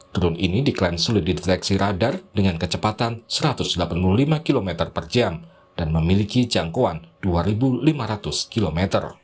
drone ini diklaim sulit dideteksi radar dengan kecepatan satu ratus delapan puluh lima km per jam dan memiliki jangkauan dua lima ratus km